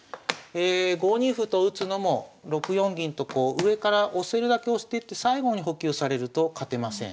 ５二歩と打つのも６四銀とこう上から押せるだけ押してって最後に補給されると勝てません。